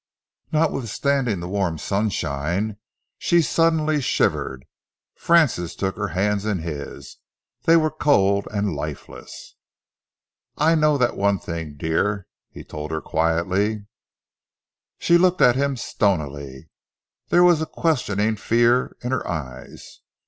Notwithstanding the warm sunshine, she suddenly shivered. Francis took her hands in his. They were cold and lifeless. "I know that one thing, dear," he told her quietly. She looked at him stonily. There was a questioning fear in her eyes.